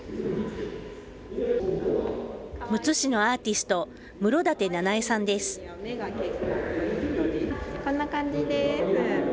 むつ市のアーティスト、こんな感じです。